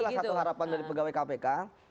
makanya itu satu harapan dari pegawai kpk